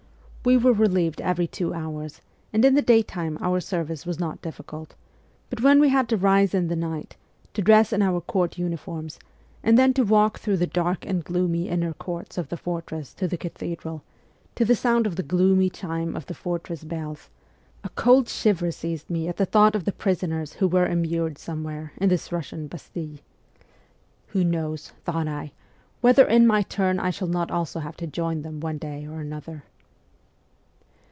We were relieved every two hours, and in the daytime our service was not difficult ; but when we had to rise in the night, to dress in our court uniforms, and then to walk through the dark and gloomy inner courts of the fortress to the cathedral, to the sound of the gloomy chime of the fortress bells, a cold shiver seized me at the thought of the prisoners who were immured some where in this Eussian Bastille. ' Who knows,' thought I, ' whether in my turn I shall not also have to join them one day or other